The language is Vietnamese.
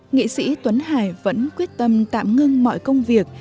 nghệ sĩ tuấn hải vẫn quyết tâm tạm ngưng mọi công việc